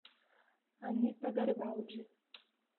Anita Garibaldi